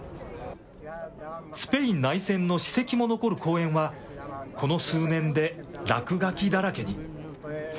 スペイン内戦の史跡も残る公園は、この数年で落書きだらけに。